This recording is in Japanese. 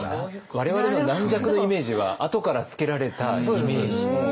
我々の「軟弱」のイメージは後からつけられたイメージ？